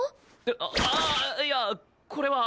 ああいやこれは。